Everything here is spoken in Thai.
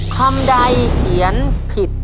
คำดัยเขียนผิด